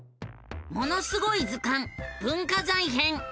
「ものすごい図鑑文化財編」！